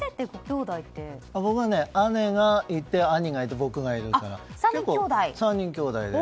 僕は姉がいて、兄がいて僕がいるから３人きょうだいで。